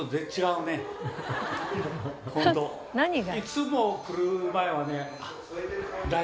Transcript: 何が？